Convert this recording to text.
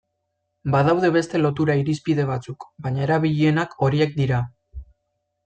Badaude beste lotura irizpide batzuk, baina erabilienak horiek dira.